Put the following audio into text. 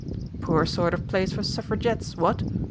"Poor sort of place for Suffragettes, what?"